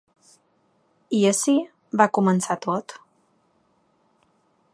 I ací va començar tot.